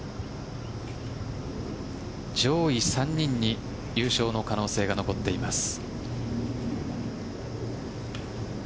上位３人に優勝の可能性が残っています。